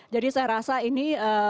jadi saya rasa ini